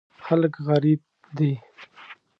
خلک غریب دي.